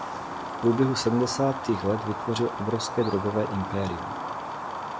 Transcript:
V průběhu sedmdesátých let vytvořil obrovské drogové impérium.